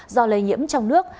do lây nhiễm trong nước